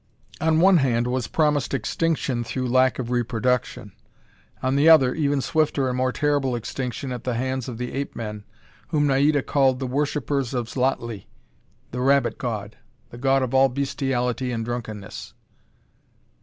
On one hand was promised extinction through lack of reproduction. On the other, even swifter and more terrible extinction at the hands of the ape men, whom Naida called the Worshippers of Xlotli, the Rabbit God, the God of all bestiality and drunkenness.